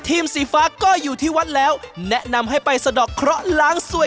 ทีมสีส้มทำภารกิจสำเร็จหาโครกกับสากเจอก่อนแล้วครับ